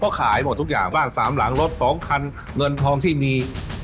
เขาขายหมดทุกอย่างบ้านสามหลังรถ๒คันเงินทองที่มี